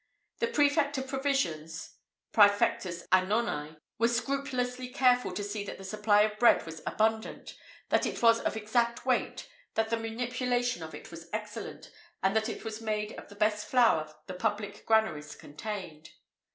The prefect of provisions (præfectus annonæ) was scrupulously careful to see that the supply of bread was abundant; that it was of exact weight; that the manipulation of it was excellent; and that it was made of the best flour the public granaries contained.